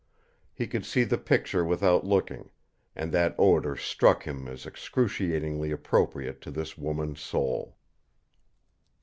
He could see the picture without looking and that odour struck him as excruciatingly appropriate to this woman's soul.